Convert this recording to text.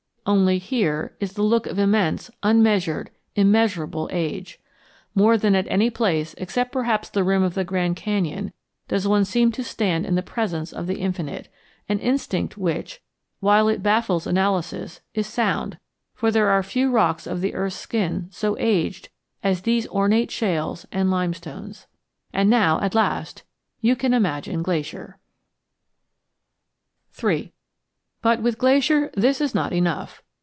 Only here is the look of immense, unmeasured, immeasurable age. More than at any place except perhaps the rim of the Grand Canyon does one seem to stand in the presence of the infinite; an instinct which, while it baffles analysis, is sound, for there are few rocks of the earth's skin so aged as these ornate shales and limestones. And now, at last, you can imagine Glacier! III But, with Glacier, this is not enough.